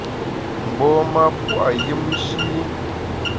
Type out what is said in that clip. Mgbom-a pua’ yùmshi.